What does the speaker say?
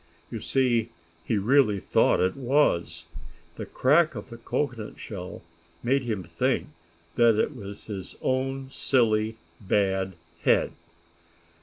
You see he really thought it was. The crack of the cocoanut shell made him think that it was his own silly, bad head.